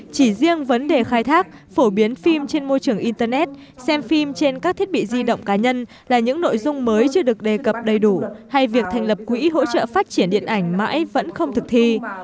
chỉ riêng vấn đề khai thác phổ biến phim trên môi trường internet xem phim trên các thiết bị di động cá nhân là những nội dung mới chưa được đề cập đầy đủ hay việc thành lập quỹ hỗ trợ phát triển điện ảnh mãi vẫn không thực thi